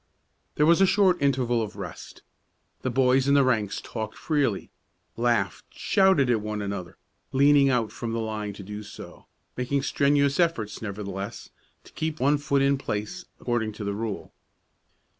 There was a short interval of rest. The boys in the ranks talked freely, laughed, shouted at one another, leaning out from the line to do so, making strenuous efforts, nevertheless, to keep one foot in place, according to the rule.